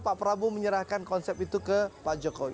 pak prabowo menyerahkan konsep itu ke pak jokowi